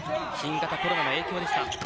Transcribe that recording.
新型コロナの影響でした。